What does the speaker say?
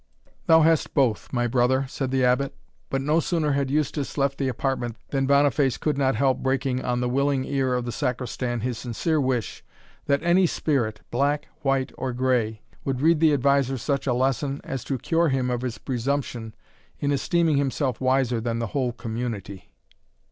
"Thou hast both, my brother," said the Abbot; but no sooner had Eustace left the apartment, than Boniface could not help breaking on the willing ear of the Sacristan his sincere wish, that any spirit, black, white, or gray, would read the adviser such a lesson, as to cure him of his presumption in esteeming himself wiser than the whole community.